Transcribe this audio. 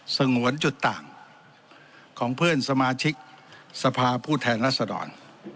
สงวนจุดต่างของเพื่อนสมาชิกสภาผู้แทนรัศดร